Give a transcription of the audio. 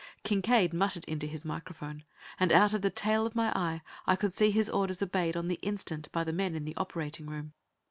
Kincaide muttered into his microphone, and out of the tail of my eye I could see his orders obeyed on the instant by the men in the operating room.